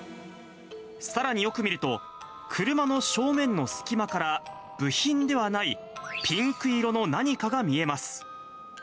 さらによく見ると、車の正面の隙間から、部品ではないピンク色の何かが見えます。